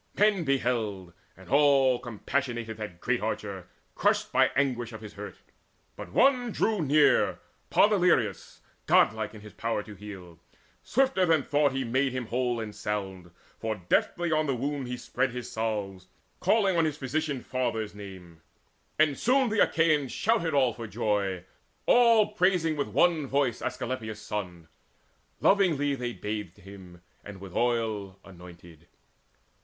Men beheld, and all Compassionated that great archer, crushed By anguish of his hurt. But one drew near, Podaleirius, godlike in his power to heal. Swifter than thought he made him whole and sound; For deftly on the wound he spread his salves, Calling on his physician father's name; And soon the Achaeans shouted all for joy, All praising with one voice Asclepius' son. Lovingly then they bathed him, and with oil Anointed.